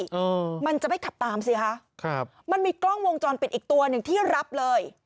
เออมันจะไม่ขับตามสิคะครับมันมีกล้องวงจรปิดอีกตัวหนึ่งที่รับเลย